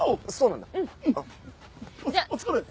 お疲れ。